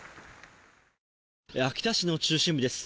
秋田市の中心部です。